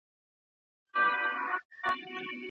هغه وویل چې زه له غره او دښتې سره مینه لرم.